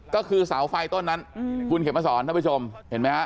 ก็คือเสาไฟต้นนั้นคุณเข็มมาสอนท่านผู้ชมเห็นไหมฮะ